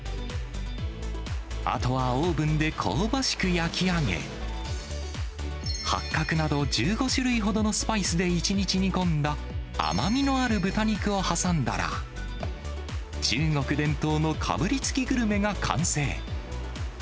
あとはオーブンで香ばしく焼き上げ、八角など１５種類ほどのスパイスで１日煮込んだ甘みのある豚肉を挟んだら、中国伝統のかぶりつきグルメが完成。